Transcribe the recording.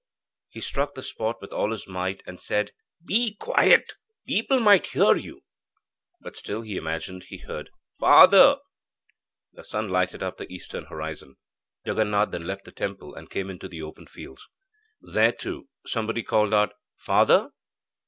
He struck the spot with all his might and said: 'Be quiet people might hear you.' But still he imagined he heard 'Father.' The sun lighted up the eastern horizon. Jaganath then left the temple, and came into the open fields. There, too, somebody called out 'Father.'